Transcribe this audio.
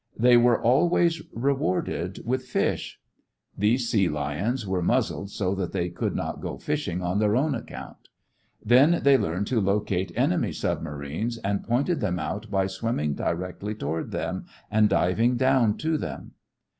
They were always rewarded with fish. These sea lions were muzzled so that they could not go fishing on their own account. Then they learned to locate enemy submarines and pointed them out by swimming directly toward them and diving down to them.